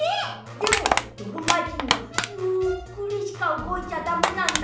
でもどろまじんはゆっくりしかうごいちゃだめなんだ。